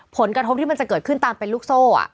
ผลกระทบที่มันจะเกิดขึ้นตามเป็นลูกโซ่